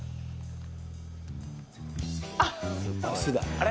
あれ？